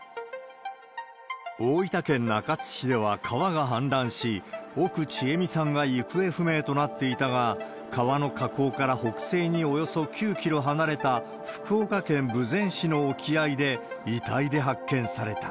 大分県中津市では川が氾濫し、奥知恵美さんが行方不明となっていたが、川の河口から北西におよそ９キロ離れた福岡県豊前市の沖合で、遺体で発見された。